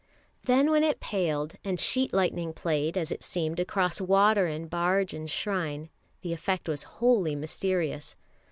Then when it paled, and sheet lightning played, as it seemed, across water and barge and shrine, the effect was wholly mysterious.